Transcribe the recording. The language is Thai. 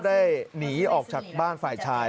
ได้หนีออกจากบ้านฝ่ายชาย